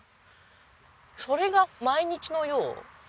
それが毎日のよう。